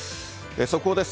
速報です。